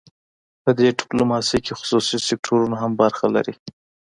په دې ډیپلوماسي کې خصوصي سکتورونه هم برخه لري